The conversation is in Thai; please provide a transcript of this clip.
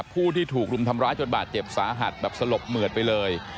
ผู้ที่ถูกรุมทำร้ายจนบาดเจ็บสาหัสแบบสลบเหมือดไปเลย